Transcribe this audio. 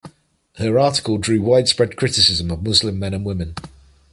Her article drew widespread criticism of Muslim men and women.